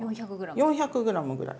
４００ｇぐらい。